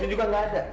tidak ada kecoanya